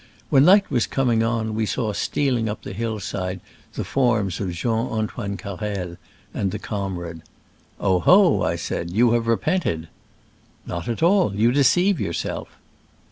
When night was com ing on we saw stealing up the hillside the forms of Jean Antoine Carrel and the comrade. "Oh ho !" I said, "you have repented?" " Not at all : you deceive yourself."